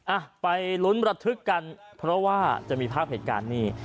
อ่ะไปลุ้นระทึกกันเพราะว่าจะมีภาพเหตุการณ์นี้